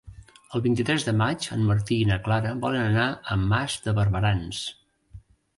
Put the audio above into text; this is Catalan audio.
El vint-i-tres de maig en Martí i na Clara volen anar a Mas de Barberans.